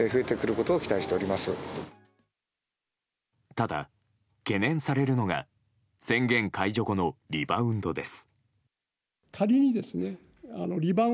ただ、懸念されるのが宣言解除後のリバウンドです。